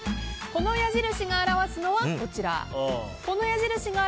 この矢印が表わすのは、こちら。